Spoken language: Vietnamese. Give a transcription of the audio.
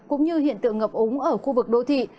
cũng như hiện tượng ngập úng ở khu vực đô thị